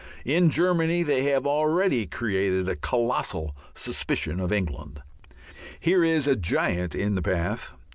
In Germany they have already created a colossal suspicion of England. Here is a giant in the path....